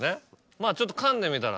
まぁちょっと噛んでみたら。